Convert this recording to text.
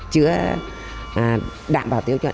chứa đảm bảo tiêu chuẩn